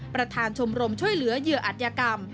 ประธานชมรมช่วยเหลือเหยื่ออัธยกรรม